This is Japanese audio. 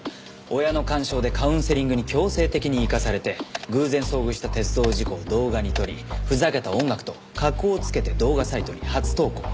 親の干渉でカウンセリングに強制的に行かされて偶然遭遇した鉄道事故を動画に撮りふざけた音楽と加工をつけて動画サイトに初投稿。